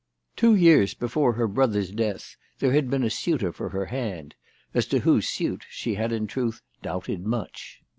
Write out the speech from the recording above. Two years before her brother's death there had been a suitor for her hand, as to whose suit she had in truth doubted much.